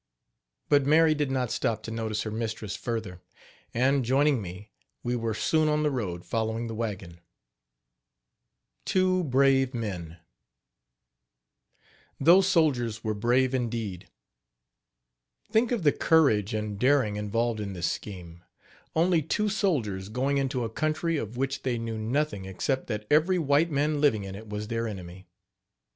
But Mary did not stop to notice her mistress further; and, joining me, we were soon on the road following the wagon. TWO BRAVE MEN. Those soldiers were brave indeed. Think of the courage and daring involved in this scheme only two soldiers going into a country of which they knew nothing except that every white man living in it was their enemy.